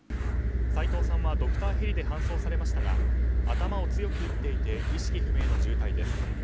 斉藤さんはドクターヘリで搬送されましたが頭を強く打っていて意識不明の重体です。